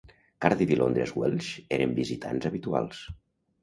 Cardiff i Londres Welsh eren visitants habituals.